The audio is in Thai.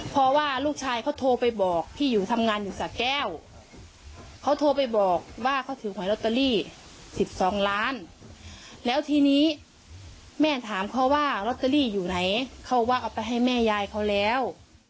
เพราะว่าลูกชายเขาโทรไปบอกพี่อยู่ทำงานอยู่สะแก้วเขาโทรไปบอกว่าเขาถือหอยลอตเตอรี่๑๒ล้านแล้วทีนี้แม่ถามเขาว่าลอตเตอรี่อยู่ไหนเขาว่าเอาไปให้แม่ยายเขาแล้ว